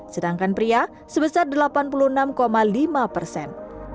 sedangkan pria sebesar delapan puluh enam lima persen